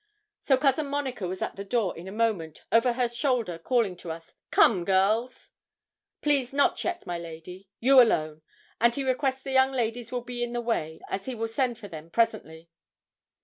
So Cousin Monica was at the door in a moment, over her shoulder calling to us, 'Come, girls.' 'Please, not yet, my lady you alone; and he requests the young ladies will be in the way, as he will send for them presently.'